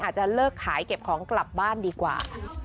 อาจจะเลิกขายเก็บของกลับบ้านดีกว่า